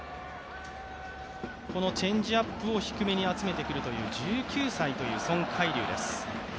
チェンジアップを低めに集めてくるという１９歳というソン・カイリュウです。